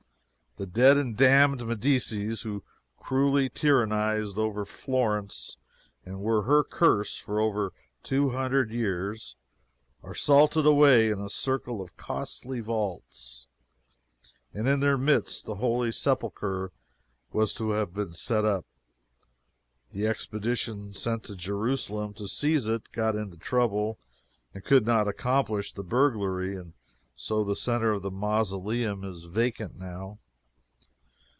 The dead and damned Medicis who cruelly tyrannized over Florence and were her curse for over two hundred years, are salted away in a circle of costly vaults, and in their midst the Holy Sepulchre was to have been set up. The expedition sent to Jerusalem to seize it got into trouble and could not accomplish the burglary, and so the centre of the mausoleum is vacant now.